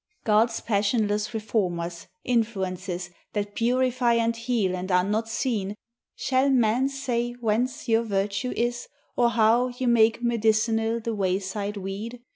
God's passionless reformers, influences, That purify and heal and are not seen, 2 '2Q UNDER THE WILLOWS. Shall man say whence your virtue is, or how Ye make medicinal the wayside weed